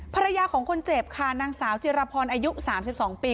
ภรรยาของคนเจ็บค่ะนางสาวจิรพรอายุ๓๒ปี